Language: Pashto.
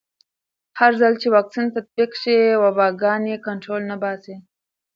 هرځل چې واکسین تطبیق شي، وباګانې کنټرول نه باسي.